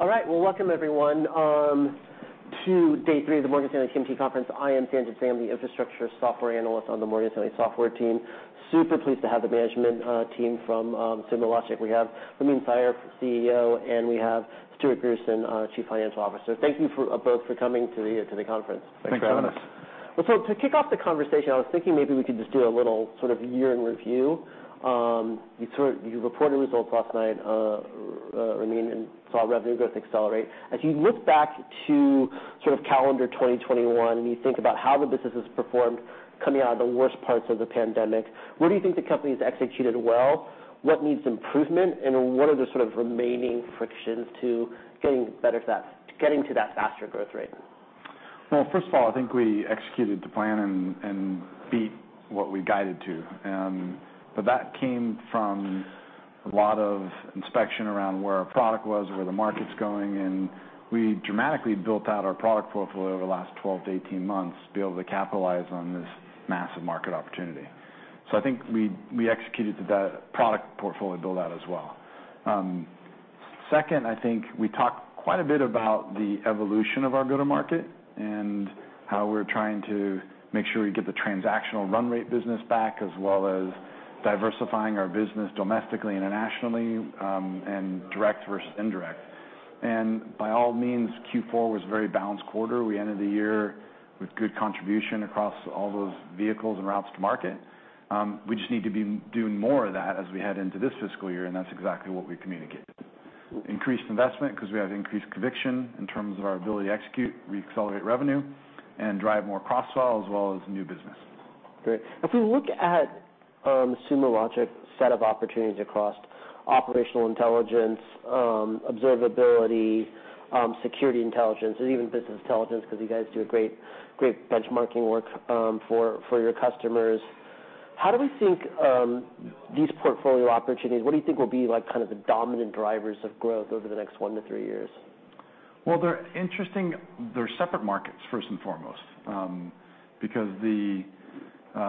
All right. Well, welcome everyone to day three of the Morgan Stanley TMT conference. I am Sanjit Singh, the infrastructure software analyst on the Morgan Stanley software team. Super pleased to have the management team from Sumo Logic. We have Ramin Sayar, CEO, and we have Stewart Grierson, Chief Financial Officer. Thank you both for coming to the conference. Thanks for having us. To kick off the conversation, I was thinking maybe we could just do a little sort of year in review. You reported results last night, Ramin, and saw revenue growth accelerate. As you look back to sort of calendar 2021, and you think about how the business has performed coming out of the worst parts of the pandemic, where do you think the company's executed well, what needs improvement, and what are the sort of remaining frictions to getting to that faster growth rate? Well, first of all, I think we executed the plan and beat what we guided to. But that came from a lot of inspection around where our product was, where the market's going, and we dramatically built out our product portfolio over the last 12-18 months to be able to capitalize on this massive market opportunity. I think we executed the product portfolio build-out as well. Second, I think we talked quite a bit about the evolution of our go-to market and how we're trying to make sure we get the transactional run rate business back, as well as diversifying our business domestically, internationally, and direct versus indirect. By all means, Q4 was a very balanced quarter. We ended the year with good contribution across all those vehicles and routes to market. We just need to be doing more of that as we head into this fiscal year, and that's exactly what we communicated. Increased investment 'cause we have increased conviction in terms of our ability to execute, reaccelerate revenue, and drive more cross-sell as well as new business. Great. If we look at Sumo Logic's set of opportunities across operational intelligence, observability, security intelligence, and even business intelligence, 'cause you guys do a great benchmarking work, for your customers, how do we think these portfolio opportunities, what do you think will be, like, kind of the dominant drivers of growth over the next one to three years? Well, they're interesting, they're separate markets, first and foremost, because the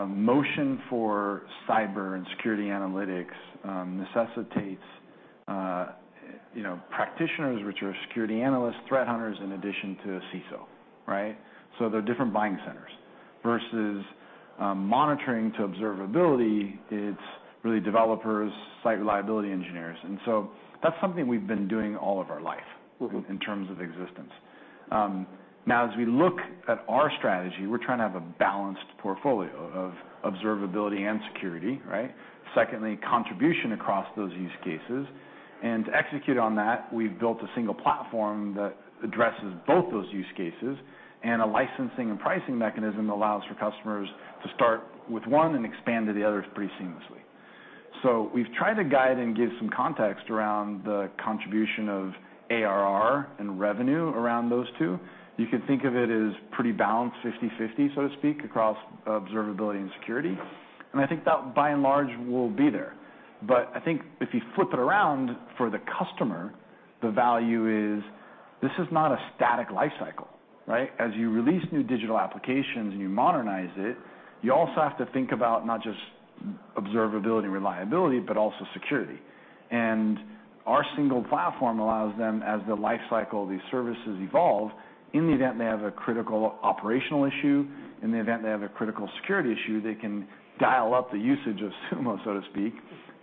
motion for cyber and security analytics necessitates, you know, practitioners, which are security analysts, threat hunters, in addition to a CISO, right? So they're different buying centers. Versus monitoring to observability, it's really developers, site reliability engineers. That's something we've been doing all of our life- Mm-hmm. in terms of existence. Now, as we look at our strategy, we're trying to have a balanced portfolio of observability and security, right? Secondly, contribution across those use cases. To execute on that, we've built a single platform that addresses both those use cases and a licensing and pricing mechanism that allows for customers to start with one and expand to the others pretty seamlessly. We've tried to guide and give some context around the contribution of ARR and revenue around those two. You could think of it as pretty balanced 50/50, so to speak, across observability and security. I think that by and large will be there. I think if you flip it around, for the customer, the value is this is not a static life cycle, right? As you release new digital applications and you modernize it, you also have to think about not just observability and reliability, but also security. Our single platform allows them, as the life cycle of these services evolve, in the event they have a critical operational issue, in the event they have a critical security issue, they can dial up the usage of Sumo, so to speak,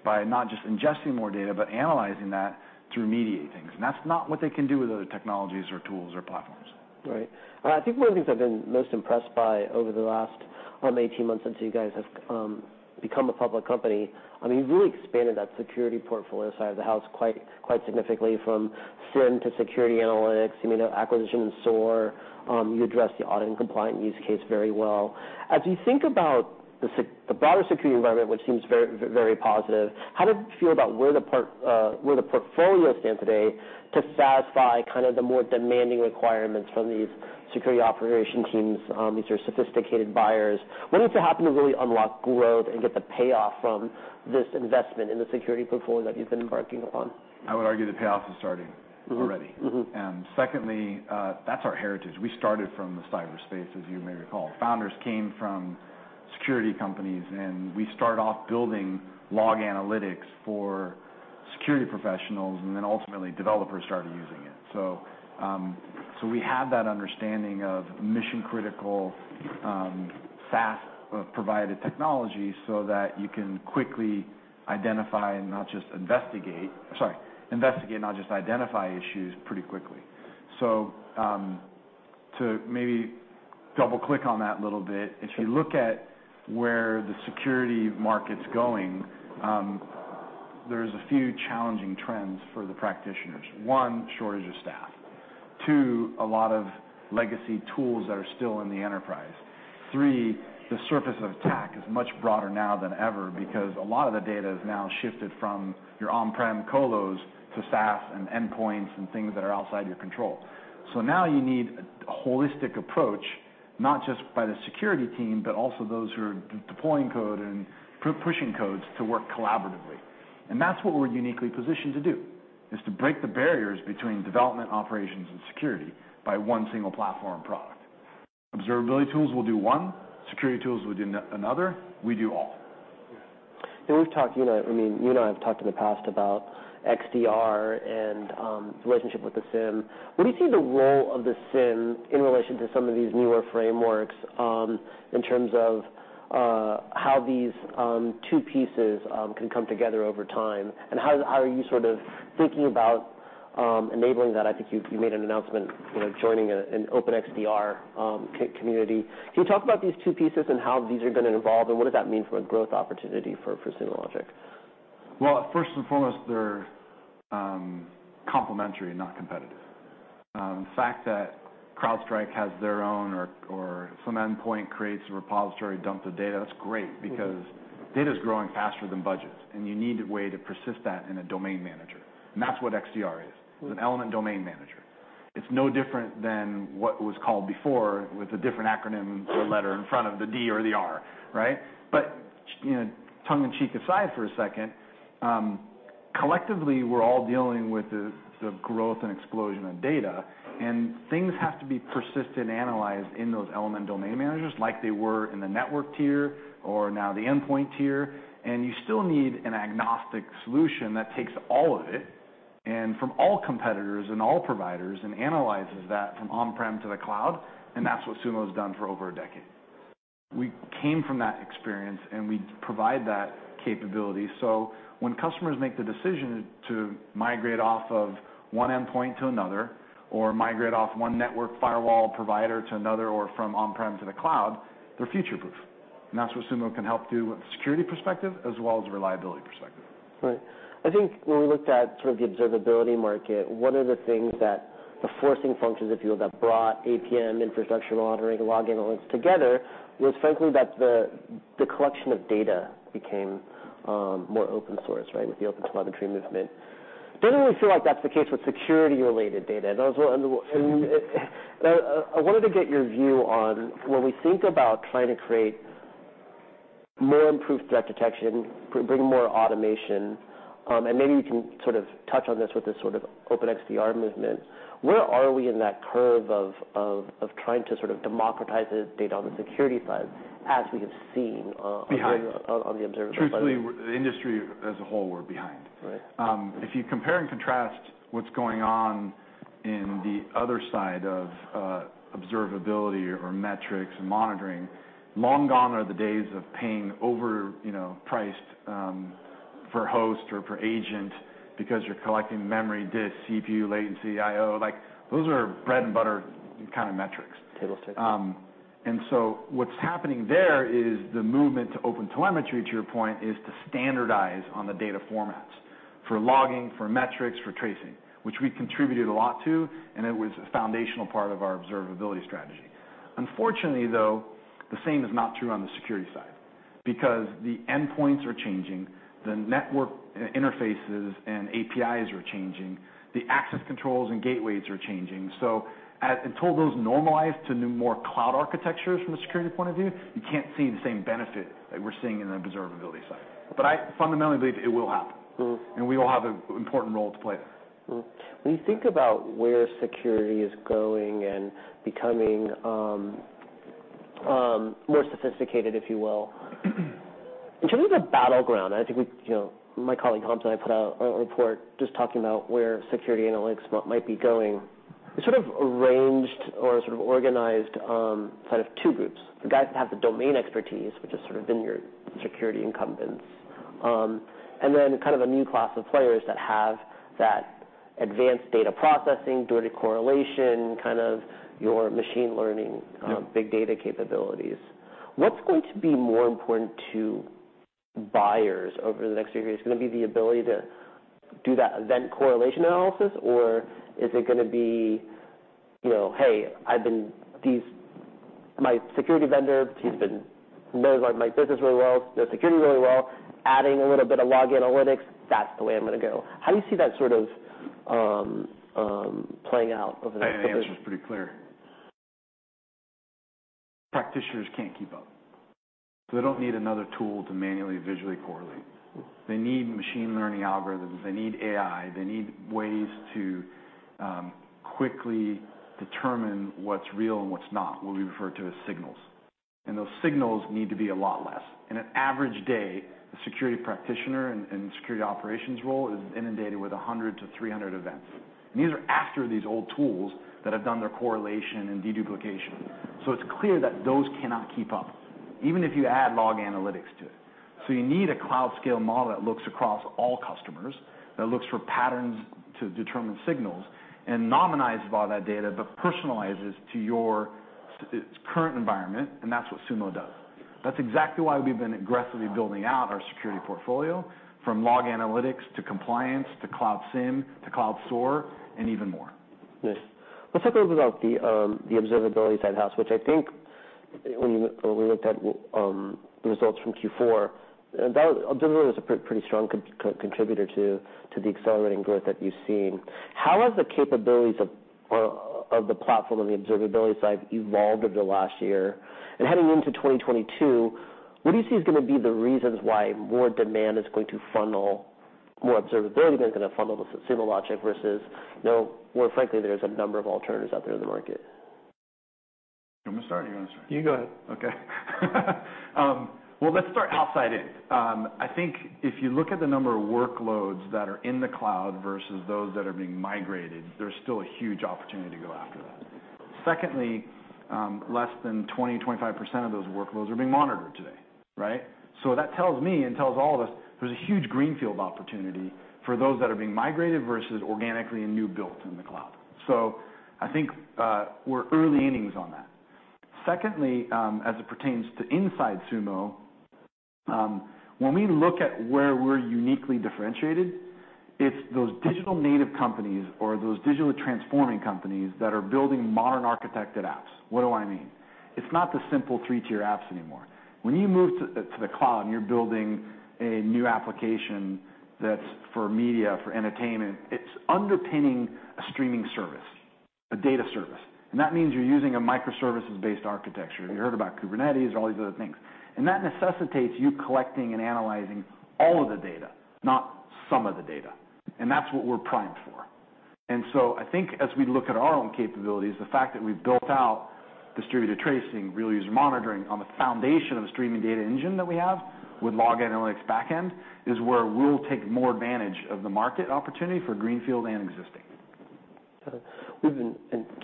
by not just ingesting more data, but analyzing that through metering. That's not what they can do with other technologies or tools or platforms. Right. I think one of the things I've been most impressed by over the last 18 months since you guys have become a public company. I mean, you've really expanded that security portfolio side of the house quite significantly from SIEM to security analytics. You made an acquisition in SOAR. You address the audit and compliance use case very well. As you think about the broader security environment, which seems very positive, how do you feel about where the portfolio stands today to satisfy kind of the more demanding requirements from these security operations teams? These are sophisticated buyers. What needs to happen to really unlock growth and get the payoff from this investment in the security portfolio that you've been embarking upon? I would argue the payoff is starting already. Mm-hmm. Mm-hmm. Secondly, that's our heritage. We started from cyberspace, as you may recall. Founders came from security companies, and we started off building log analytics for security professionals, and then ultimately developers started using it. We have that understanding of mission-critical SaaS provided technology so that you can quickly investigate, not just identify issues pretty quickly. To maybe double-click on that a little bit, if you look at where the security market's going, there's a few challenging trends for the practitioners. One, shortage of staff. Two, a lot of legacy tools that are still in the enterprise. Three, the surface of attack is much broader now than ever because a lot of the data is now shifted from your on-prem colos to SaaS and endpoints and things that are outside your control. Now you need a holistic approach, not just by the security team, but also those who are deploying code and pushing codes to work collaboratively. That's what we're uniquely positioned to do, is to break the barriers between development operations and security by one single platform product. Observability tools will do one, security tools will do another, we do all. You and I have talked in the past about XDR and its relationship with the SIEM. When you see the role of the SIEM in relation to some of these newer frameworks, in terms of how these two pieces can come together over time, and how are you sort of thinking about enabling that? I think you made an announcement, you know, joining an OpenXDR community. Can you talk about these two pieces and how these are gonna evolve, and what does that mean for a growth opportunity for Sumo Logic? Well, first and foremost, they're complementary, not competitive. The fact that CrowdStrike has their own or some endpoint creates a repository dump the data, that's great because data's growing faster than budgets, and you need a way to persist that in a domain manager, and that's what XDR is. It's an element domain manager. It's no different than what was called before with a different acronym or letter in front of the D or the R, right? You know, tongue-in-cheek aside for a second, collectively, we're all dealing with the growth and explosion of data, and things have to be persistently analyzed in those element domain managers like they were in the network tier or now the endpoint tier, and you still need an agnostic solution that takes all of it and from all competitors and all providers and analyzes that from on-prem to the cloud, and that's what Sumo's done for over a decade. We came from that experience, and we provide that capability. When customers make the decision to migrate off of one endpoint to another, or migrate off one network firewall provider to another, or from on-prem to the cloud, they're future-proof. That's what Sumo can help do with the security perspective as well as reliability perspective. Right. I think when we looked at sort of the observability market, what are the things that the forcing functions, if you will, that brought APM, infrastructure monitoring, log analytics together was frankly that the collection of data became more open source, right, with the OpenTelemetry movement. Didn't really feel like that's the case with security-related data. I wanted to get your view on when we think about trying to create more improved threat detection, bring more automation, and maybe you can sort of touch on this with this sort of OpenXDR movement. Where are we in that curve of trying to sort of democratize the data on the security side as we have seen on the observability side? Truthfully, the industry as a whole, we're behind. Right. If you compare and contrast what's going on in the other side of observability or metrics and monitoring, long gone are the days of paying overpriced, you know, for host or per agent because you're collecting memory, disk, CPU, latency, IO. Like, those are bread and butter kind of metrics. Table stakes. What's happening there is the movement to OpenTelemetry, to your point, is to standardize on the data formats for logging, for metrics, for tracing, which we contributed a lot to, and it was a foundational part of our observability strategy. Unfortunately, though, the same is not true on the security side because the endpoints are changing, the network interfaces and APIs are changing, the access controls and gateways are changing. Until those normalize to new, more cloud architectures from a security point of view, you can't see the same benefit that we're seeing in the observability side. But I fundamentally believe it will happen. Mm-hmm. We all have an important role to play there. Mm-hmm. When you think about where security is going and becoming more sophisticated, if you will, in terms of the battleground, I think you know, my colleague, Tom, and I put out a report just talking about where security analytics might be going. We sort of arranged or sort of organized kind of two groups. The guys that have the domain expertise, which is sort of been your security incumbents, and then kind of a new class of players that have that advanced data processing, data correlation, kind of your machine learning- Yep big data capabilities. What's going to be more important to buyers over the next few years? Is it gonna be the ability to do that event correlation analysis, or is it gonna be, you know, "Hey, my security vendor knows my business really well, knows security really well. Adding a little bit of log analytics, that's the way I'm gonna go." How do you see that sort of playing out over the next couple years? I think the answer is pretty clear. Practitioners can't keep up, so they don't need another tool to manually visually correlate. They need machine learning algorithms. They need AI. They need ways to quickly determine what's real and what's not, what we refer to as signals. Those signals need to be a lot less. In an average day, a security practitioner and security operations role is inundated with 100-300 events. These are after these old tools that have done their correlation and deduplication. It's clear that those cannot keep up, even if you add log analytics to it. You need a cloud scale model that looks across all customers, that looks for patterns to determine signals, and normalize a lot of that data, but personalizes to its current environment, and that's what Sumo does. That's exactly why we've been aggressively building out our security portfolio from log analytics, to compliance, to Cloud SIEM, to Cloud SOAR, and even more. Yes. Let's talk a little bit about the observability side of the house, which I think when we looked at the results from Q4, that observability was a pretty strong contributor to the accelerating growth that you've seen. How has the capabilities of the platform on the observability side evolved over the last year? Heading into 2022, what do you see is gonna be the reasons why more demand is going to funnel more observability that's gonna funnel to Sumo Logic versus, you know, where frankly, there's a number of alternatives out there in the market? You want me to start or you want to start? You go ahead. Okay. Well, let's start outside in. I think if you look at the number of workloads that are in the cloud versus those that are being migrated, there's still a huge opportunity to go after that. Secondly, less than 20-25% of those workloads are being monitored today, right? That tells me and tells all of us there's a huge greenfield opportunity for those that are being migrated versus organically and new built in the cloud. I think we're early innings on that. Secondly, as it pertains to inside Sumo, when we look at where we're uniquely differentiated, it's those digital native companies or those digitally transforming companies that are building modern architected apps. What do I mean? It's not the simple three-tier apps anymore. When you move to the cloud and you're building a new application that's for media, for entertainment, it's underpinning a streaming service, a data service, and that means you're using a microservices-based architecture. You heard about Kubernetes and all these other things, and that necessitates you collecting and analyzing all of the data, not some of the data. That's what we're primed for. I think as we look at our own capabilities, the fact that we've built out distributed tracing, Real User Monitoring on the foundation of a streaming data engine that we have with log analytics back end is where we'll take more advantage of the market opportunity for greenfield and existing. Got it.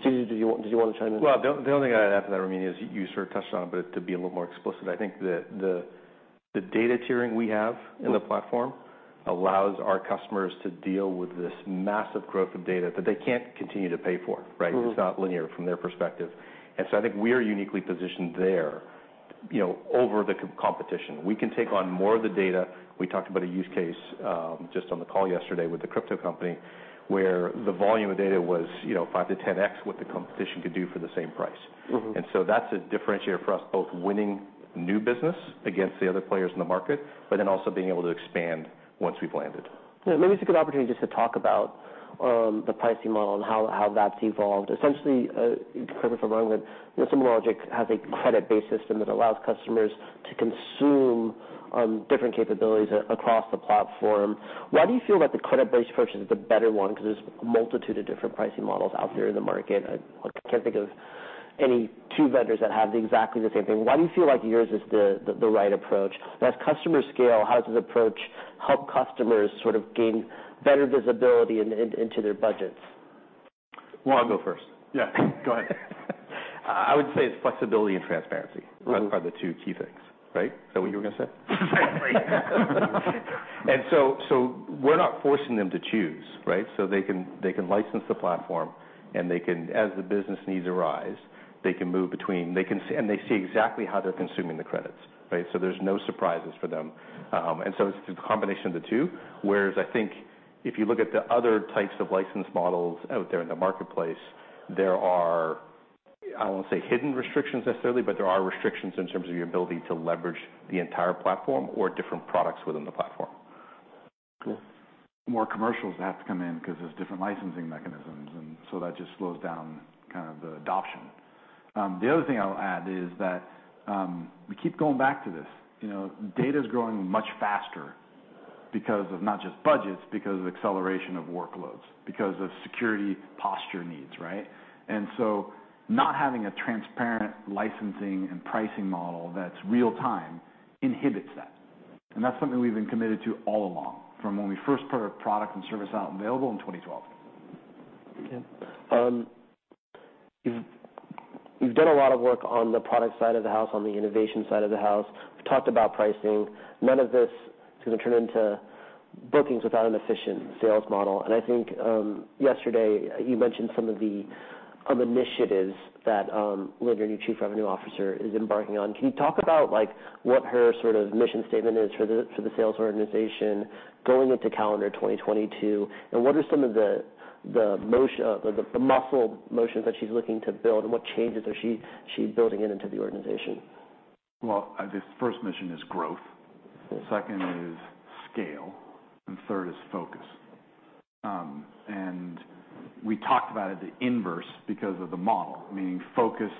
Stewart, do you want to chime in? Well, the only thing I'd add to that, Rami, is you sort of touched on it, but to be a little more explicit, I think that the data tiering we have in the platform allows our customers to deal with this massive growth of data that they can't continue to pay for, right? Mm-hmm. It's not linear from their perspective. I think we're uniquely positioned there, you know, over the competition. We can take on more of the data. We talked about a use case just on the call yesterday with the crypto company, where the volume of data was, you know, 5x-10x what the competition could do for the same price. Mm-hmm. That's a differentiator for us, both winning new business against the other players in the market, but then also being able to expand once we've landed. Yeah, maybe it's a good opportunity just to talk about the pricing model and how that's evolved. Essentially, correct me if I'm wrong, but Sumo Logic has a credit-based system that allows customers to consume different capabilities across the platform. Why do you feel that the credit-based approach is the better one? Because there's a multitude of different pricing models out there in the market. I can't think of any two vendors that have exactly the same thing. Why do you feel like yours is the right approach? As customers scale, how does approach help customers sort of gain better visibility into their budgets? Well, I'll go first. Yeah, go ahead. I would say it's flexibility and transparency. Mm-hmm are the two key things, right? Is that what you were gonna say? Exactly. We're not forcing them to choose, right? They can license the platform, and as the business needs arise, they can move between. They see exactly how they're consuming the credits, right? There's no surprises for them. It's the combination of the two. Whereas I think if you look at the other types of license models out there in the marketplace, there are. I don't want to say hidden restrictions necessarily, but there are restrictions in terms of your ability to leverage the entire platform or different products within the platform. Cool. More commercials have to come in because there's different licensing mechanisms, and so that just slows down kind of the adoption. The other thing I'll add is that, we keep going back to this. You know, data is growing much faster because of not just budgets, because of acceleration of workloads, because of security posture needs, right? Not having a transparent licensing and pricing model that's real time inhibits that. That's something we've been committed to all along, from when we first put our product and service out and available in 2012. Okay. You've done a lot of work on the product side of the house, on the innovation side of the house. We've talked about pricing. None of this is gonna turn into bookings without an efficient sales model. I think yesterday you mentioned some of the initiatives that Lynne, your new Chief Revenue Officer, is embarking on. Can you talk about, like, what her sort of mission statement is for the sales organization going into calendar 2022? What are some of the muscle motions that she's looking to build, and what changes she's building into the organization? Well, I guess, first mission is growth. Cool. Second is scale, and third is focus. We talked about it in the inverse because of the model, meaning focused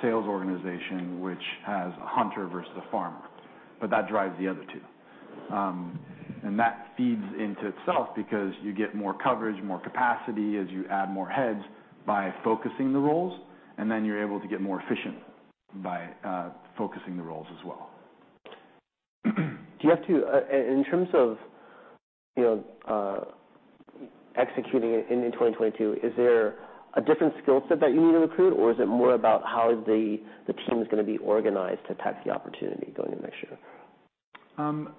sales organization which has a hunter versus a farmer, but that drives the other two. That feeds into itself because you get more coverage, more capacity as you add more heads by focusing the roles, and then you're able to get more efficient by focusing the roles as well. Do you have to, in terms of, you know, executing in 2022, is there a different skill set that you need to recruit, or is it more about how the team is gonna be organized to tap the opportunity going into next year?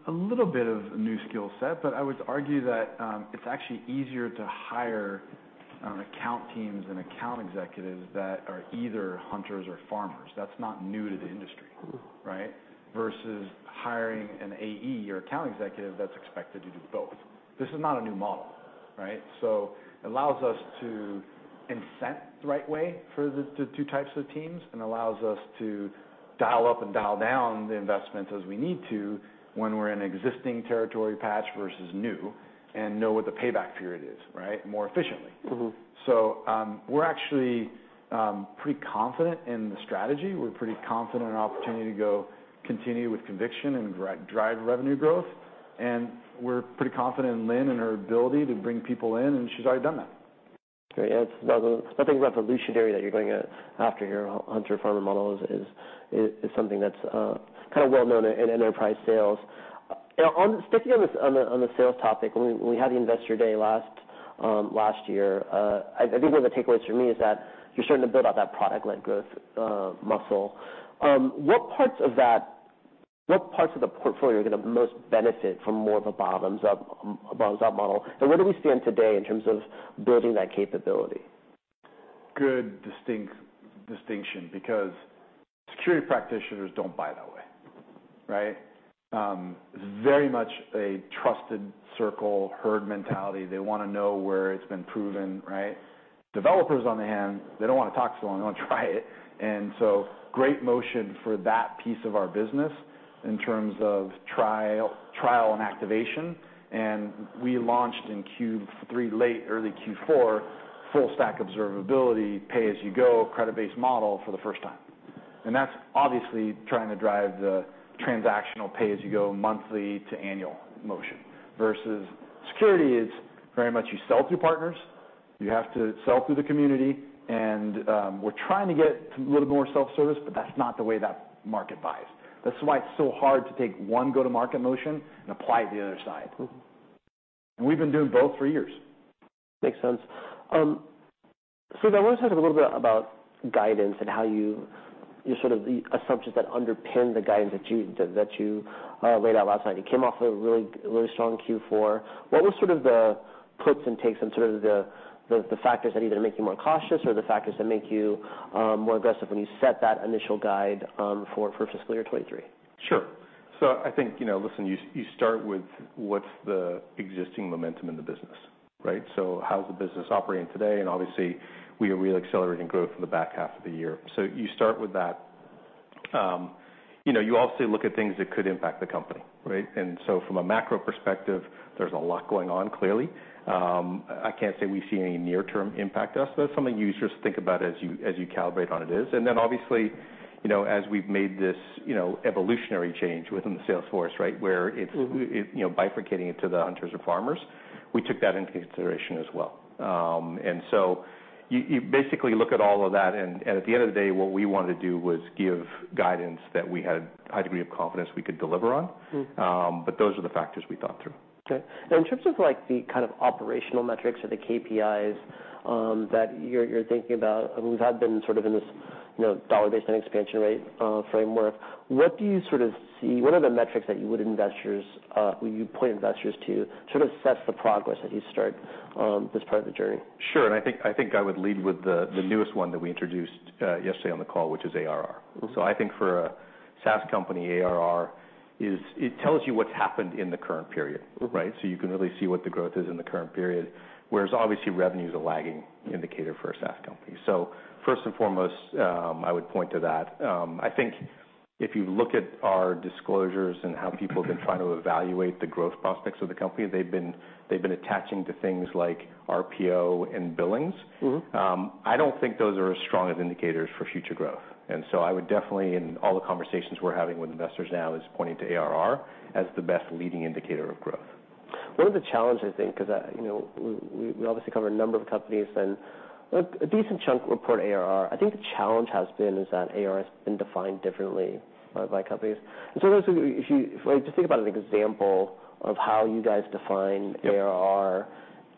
A little bit of a new skill set, but I would argue that, it's actually easier to hire, account teams and account executives that are either hunters or farmers. That's not new to the industry. Mm-hmm. Right? Versus hiring an AE or account executive that's expected to do both. This is not a new model, right? It allows us to incent the right way for the two types of teams and allows us to dial up and dial down the investments as we need to when we're in existing territory patch versus new and know what the payback period is, right, more efficiently. Mm-hmm. We're actually pretty confident in the strategy. We're pretty confident in our opportunity to go continue with conviction and drive revenue growth. We're pretty confident in Lynne and her ability to bring people in, and she's already done that. Great. It's nothing revolutionary that you're going after here. Hunter-farmer model is something that's kind of well known in enterprise sales. Sticking on the sales topic, when we had the investor day last year, I think one of the takeaways for me is that you're starting to build out that product-led growth muscle. What parts of the portfolio are gonna most benefit from more of a bottoms up model? Where do we stand today in terms of building that capability? Good distinction because security practitioners don't buy that way, right? Very much a trusted circle, herd mentality. They wanna know where it's been proven, right? Developers, on the other hand, they don't wanna talk so long, they wanna try it. Great motion for that piece of our business in terms of trial and activation. We launched in Q3 late, early Q4, full stack observability, pay-as-you-go credit-based model for the first time. That's obviously trying to drive the transactional pay-as-you-go monthly to annual motion versus security is very much you sell through partners, you have to sell through the community. We're trying to get a little more self-service, but that's not the way that market buys. That's why it's so hard to take one go-to-market motion and apply it to the other side. Mm-hmm. We've been doing both for years. Makes sense. I want to talk a little bit about guidance and how you sort of the assumptions that underpin the guidance that you laid out last time. You came off a really strong Q4. What was sort of the puts and takes and sort of the factors that either make you more cautious or the factors that make you more aggressive when you set that initial guide for fiscal year 2023? Sure. I think, you know, listen, you start with what's the existing momentum in the business, right? How's the business operating today? Obviously we are really accelerating growth from the back half of the year. You start with that. You know, you also look at things that could impact the company, right? From a macro perspective, there's a lot going on clearly. I can't say we see any near term impact to us, but it's something you just think about as you calibrate how it is. Obviously, you know, as we've made this, you know, evolutionary change within the sales force, right, where it's Mm-hmm... you know, bifurcating it to the hunters or farmers, we took that into consideration as well. You basically look at all of that, and at the end of the day, what we wanted to do was give guidance that we had a high degree of confidence we could deliver on. Mm-hmm. Those are the factors we thought through. Okay. Now, in terms of like the kind of operational metrics or the KPIs that you're thinking about, we've had been sort of in this, you know, dollar-based and expansion rate framework. What are the metrics that you point investors to sort of assess the progress as you start this part of the journey? Sure. I think I would lead with the newest one that we introduced yesterday on the call, which is ARR. Mm-hmm. I think for a SaaS company, ARR is, it tells you what's happened in the current period, right? You can really see what the growth is in the current period, whereas obviously revenue is a lagging indicator for a SaaS company. First and foremost, I would point to that. I think if you look at our disclosures and how people have been trying to evaluate the growth prospects of the company, they've been attaching to things like RPO and billings. Mm-hmm. I don't think those are as strong as indicators for future growth. I would definitely, in all the conversations we're having with investors now, is pointing to ARR as the best leading indicator of growth. One of the challenges I think is that, you know, we obviously cover a number of companies and a decent chunk report ARR. I think the challenge has been that ARR has been defined differently by companies. If I just think about an example of how you guys define- Yeah ARR,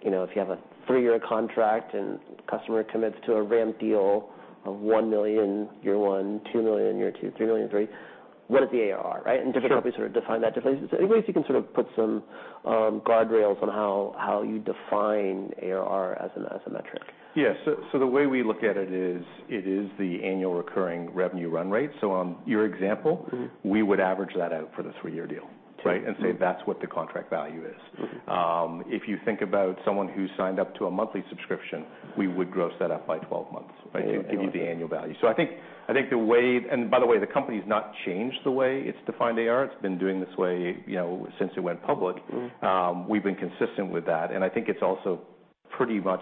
you know, if you have a three-year contract and customer commits to a ramp deal of $1 million year one, $2 million year two, $3 million three, what is the ARR, right? Different companies sort of define that differently. Anyways you can sort of put some guardrails on how you define ARR as a metric? The way we look at it is, it is the annual recurring revenue run rate. On your example. Mm-hmm We would average that out for the three-year deal, right? Say that's what the contract value is. If you think about someone who signed up to a monthly subscription, we would gross that up by 12 months, right? Give you the annual value. By the way, the company's not changed the way it's defined ARR. It's been doing this way, you know, since it went public. Mm-hmm. We've been consistent with that. I think it's also pretty much,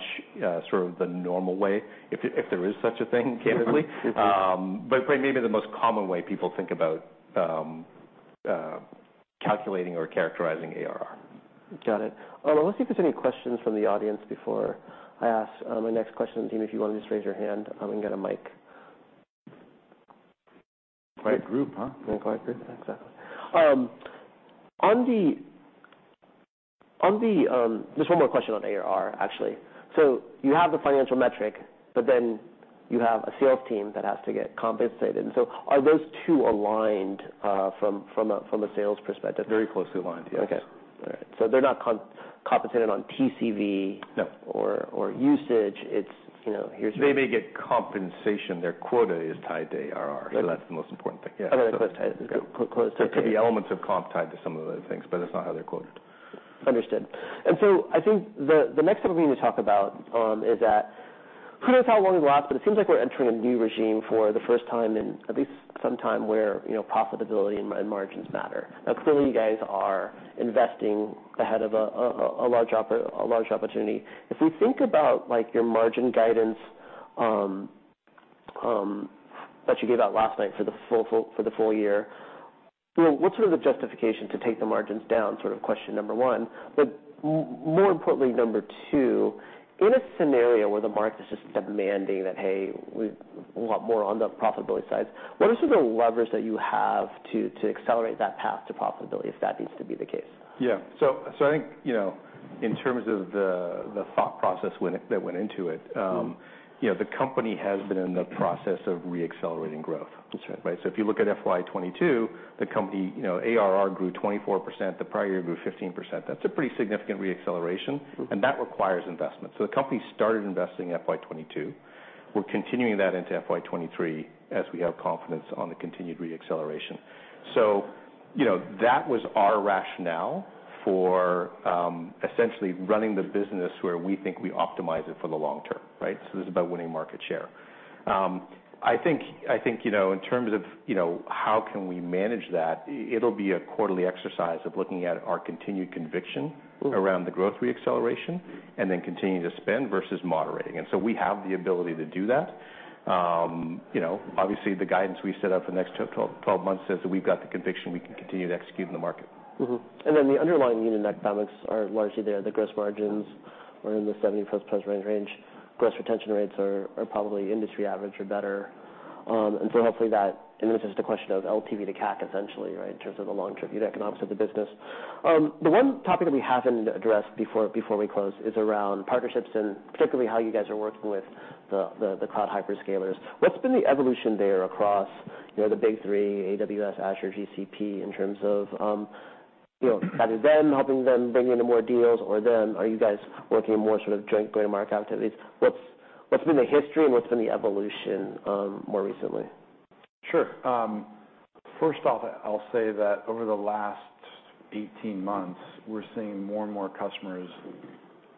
sort of the normal way, if there is such a thing, candidly. Mm-hmm. Maybe the most common way people think about calculating or characterizing ARR. Got it. Well, let's see if there's any questions from the audience before I ask my next question. Dean, if you wanna just raise your hand, I can get a mic. Quite a group, huh? Quite a group. Exactly. Just one more question on ARR, actually. So you have the financial metric, but then you have a sales team that has to get compensated. Are those two aligned, from a sales perspective? Very closely aligned, yes. They're not compensated on TCV. No or usage. It's, you know, here's They may get compensation. Their quota is tied to ARR. That's the most important thing. Yeah. Okay. Yeah. Qu-quota. There could be elements of comp tied to some of the other things, but that's not how they're quoted. Understood. I think the next thing we need to talk about is that who knows how long it lasts, but it seems like we're entering a new regime for the first time in at least some time where, you know, profitability and margins matter. Now, clearly, you guys are investing ahead of a large opportunity. If we think about, like, your margin guidance that you gave out last night for the full year. You know, what sort of the justification to take the margins down, sort of question number one. But more importantly, number two, in a scenario where the market's just demanding that, "Hey, a lot more on the profitability side," what are some of the levers that you have to accelerate that path to profitability, if that needs to be the case? I think, you know, in terms of the thought process that went into it. Mm-hmm. You know, the company has been in the process of re-accelerating growth. That's right. Right? If you look at FY 2022, the company, you know, ARR grew 24%, the prior year grew 15%. That's a pretty significant re-acceleration. Mm-hmm. That requires investment. The company started investing in FY 2022. We're continuing that into FY 2023, as we have confidence on the continued re-acceleration. You know, that was our rationale for essentially running the business where we think we optimize it for the long term, right? This is about winning market share. I think, you know, in terms of, you know, how can we manage that, it'll be a quarterly exercise of looking at our continued conviction. Mm-hmm. around the growth re-acceleration, and then continuing to spend versus moderating. We have the ability to do that. You know, obviously the guidance we set out for the next 12 months says that we've got the conviction we can continue to execute in the market. The underlying unit economics are largely there. The gross margins are in the 70%+ range. Gross retention rates are probably industry average or better. Hopefully this is the question of LTV to CAC essentially, right? In terms of the long-term unit economics of the business. The one topic that we haven't addressed before we close is around partnerships and particularly how you guys are working with the cloud hyperscalers. What's been the evolution there across the big three, AWS, Azure, GCP, in terms of that is them helping them bring in more deals or are you guys working in more sort of joint go-to-market activities? What's been the history and what's been the evolution more recently? Sure. First off, I'll say that over the last 18 months, we're seeing more and more customers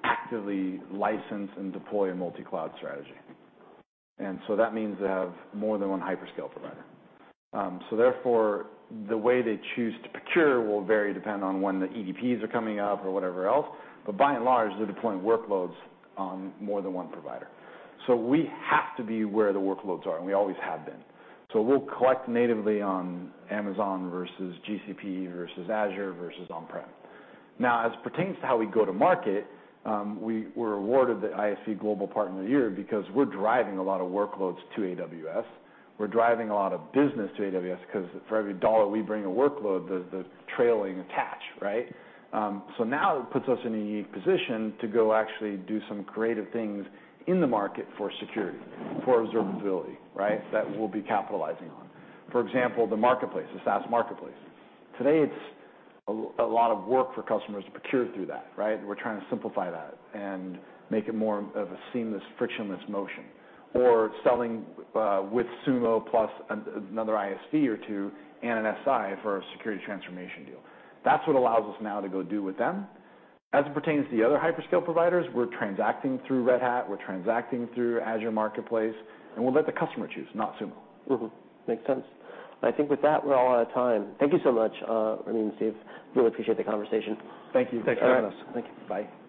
actively license and deploy a multi-cloud strategy. That means they have more than one hyperscale provider. Therefore the way they choose to procure will vary depending on when the EDPs are coming up or whatever else. By and large, they're deploying workloads on more than one provider. We have to be where the workloads are, and we always have been. We'll collect natively on Amazon versus GCP versus Azure versus on-prem. Now, as pertains to how we go to market, we were awarded the ISV Global Partner of the Year because we're driving a lot of workloads to AWS. We're driving a lot of business to AWS because for every dollar we bring a workload, the trailing attach, right? Now it puts us in a unique position to go actually do some creative things in the market for security, for observability, right? That we'll be capitalizing on. For example, the marketplace, the SaaS marketplace. Today, it's a lot of work for customers to procure through that, right? We're trying to simplify that and make it more of a seamless, frictionless motion. Or selling with Sumo plus another ISV or two and an SI for a security transformation deal. That's what allows us now to go do with them. As it pertains to the other hyperscale providers, we're transacting through Red Hat, we're transacting through Azure Marketplace, and we'll let the customer choose, not Sumo. Makes sense. I think with that, we're all out of time. Thank you so much, Ramin and Stewart. Really appreciate the conversation. Thank you. Thanks for having us. Thank you. Bye. Thanks for having us.